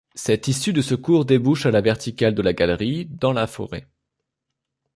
Cette issue de secours débouche à la verticale de la galerie dans la forêt.